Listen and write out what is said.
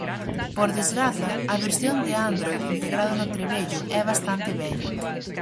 Por desgraza, a versión de Android integrada no trebello é bastante vella.